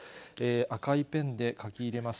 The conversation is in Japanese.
赤いペンで書き入れます。